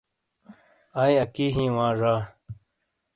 آٸی اکی ہیٸی وا زا.